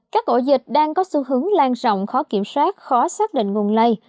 các ổ dịch đang có xu hướng lan rộng khó kiểm soát khó xác định nguồn lây